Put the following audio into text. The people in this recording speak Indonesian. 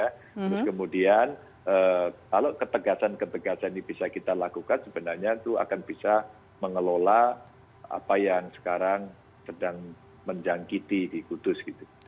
terus kemudian kalau ketegasan ketegasan ini bisa kita lakukan sebenarnya itu akan bisa mengelola apa yang sekarang sedang menjangkiti di kudus